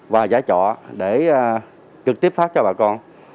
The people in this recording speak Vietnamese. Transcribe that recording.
và giá trọ để trực tiếp phát cho bà con